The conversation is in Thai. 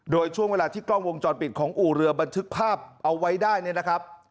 โดยช่วงเวลาที่กล้องวงจรปิดของอู่เรือบันทึกภาพเอาไว้ได้เนี่ยนะครับ